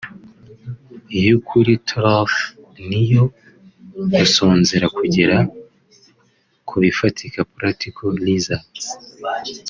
iy’Ukuri (Truth) n’iyo gusonzera kugera kubifatika (Practical Results)